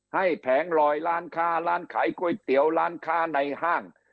แผงลอยร้านค้าร้านขายก๋วยเตี๋ยวร้านค้าในห้าง